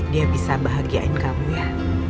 dia bisa bahagiain kamu ya